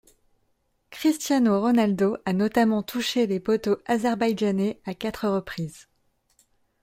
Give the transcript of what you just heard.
Cristiano Ronaldo a notamment touché les poteaux azerbaïdjanais à quatre reprises.